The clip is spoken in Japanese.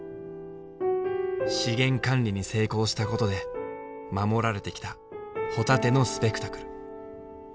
資源管理に成功したことで守られてきたホタテのスペクタクル。